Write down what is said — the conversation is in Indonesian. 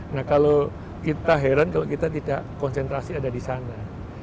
nah kalau kita heran kalau kita tidak konsentrasi ada di sana